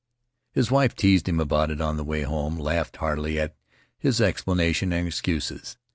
His wife teased him about it on the way home, laughed heartily at his explanations and excuses.